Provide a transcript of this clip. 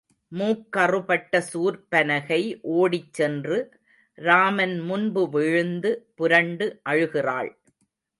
மூக்கறுபட்ட சூர்ப்பனகை ஓடிச் சென்று, ராமன் முன்பு விழுந்து புரண்டு அழுகிறாள்.